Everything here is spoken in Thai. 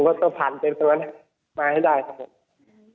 ผมก็จะผ่านเต็มตรงนั้นมาให้ได้ทั้งหมด